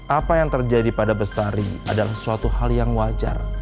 apa yang terjadi pada bestari adalah suatu hal yang wajar